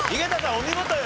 お見事よ！